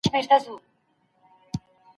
که انلاین زده کړه وي، نو د کور چاپېریال مهم وي.